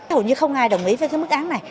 hầu như không ai đồng ý với cái mức án này